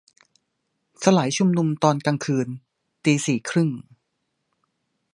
- สลายชุมนุมตอนกลางคืน ~ตีสี่ครึ่ง